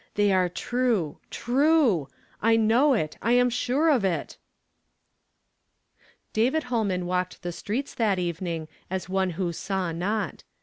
They are true, True! I know it ! I am sure of it !" David Holman walked the streets that even ing as one who saw not.